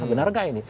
benar gak ini